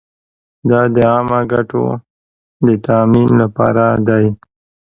دا د عامه ګټو د تامین لپاره دی.